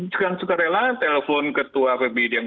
cuka cuka rela telepon ketua pbid yang